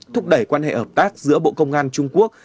thúc đẩy quan hệ hợp tác giữa bộ công an trung quốc